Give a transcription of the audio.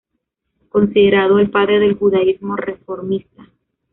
Considerado "el padre del Judaísmo reformista".